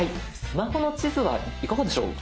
スマホの地図はいかがでしょう？